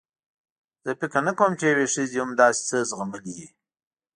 زه فکر نه کوم چې یوې ښځې دې هم داسې څه زغملي وي.